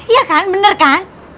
iya kan bener kan